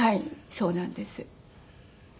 そうなんです。